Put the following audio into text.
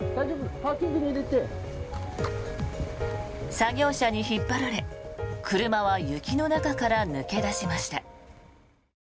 作業車に引っ張られ車は雪の中から抜け出しました。